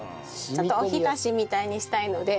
ちょっとおひたしみたいにしたいので。